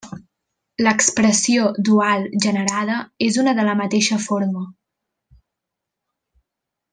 L'expressió dual generada és una de la mateixa forma.